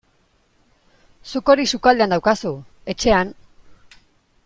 Zuk hori sukaldean daukazu, etxean.